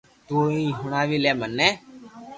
تو ھي ھڻاوي لي مني